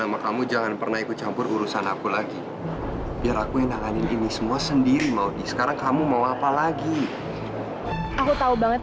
aku percaya sama dia aku tahu